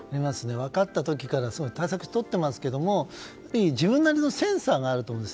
分かった時から対策をとっていますけどやっぱり自分なりのセンサーがあると思うんです。